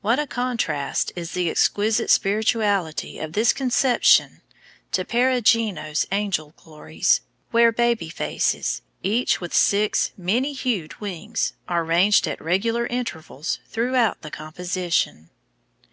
What a contrast is the exquisite spirituality of this conception to Perugino's angel glories, where baby faces, each with six many hued wings are ranged at regular intervals throughout the composition!